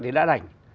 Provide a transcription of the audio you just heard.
thì đã đành